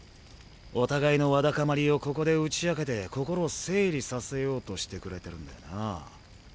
お互いの蟠りをここで打ち明けて心を整理させようとしてくれてるんだよな？